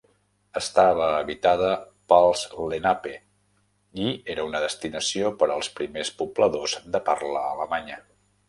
Estava habitada pels Lenape i era una destinació per als primers pobladors de parla alemanya.